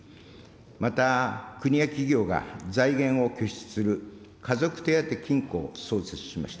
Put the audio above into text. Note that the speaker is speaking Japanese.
また、国や企業が財源を拠出する家族手当金庫を創設しました。